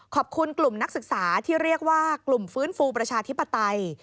ขอบคุณกลุ่มนักศึกษาที่เรียกว่ากลุ่มฟื้นฟูประชาธิปไตย